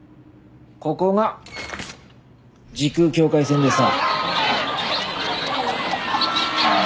ここが時空境界線でさ。